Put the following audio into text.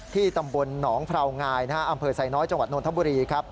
ที่ตำบลหนองพราวงายอาเภยใส่น้อยจังหวัดโนธบุรี